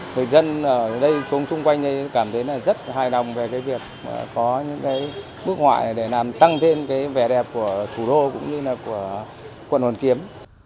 người dân ở đây xuống xung quanh đây cảm thấy là rất hài lòng về cái việc có những cái bức họa để làm tăng thêm cái vẻ đẹp của thủ đô cũng như là của quận hoàn kiếm